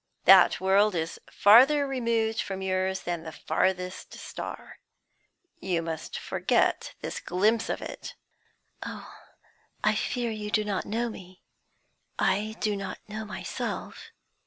That world is farther removed from yours than the farthest star; you must forget this glimpse of it." "Oh, I fear you do not know me; I do not know myself."